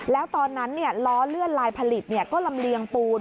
แล้วตอนนั้นล้อเลื่อนลายผลิตก็ลำเลียงปูน